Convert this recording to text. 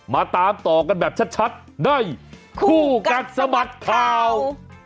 มาตามต่อกันแบบชัดในคู่กัดสะบัดข่าว